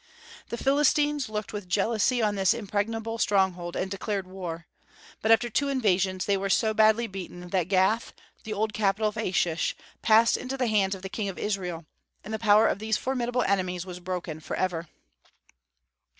The Philistines looked with jealousy on this impregnable stronghold, and declared war; but after two invasions they were so badly beaten that Gath, the old capital of Achish, passed into the hands of the King of Israel, and the power of these formidable enemies was broken forever.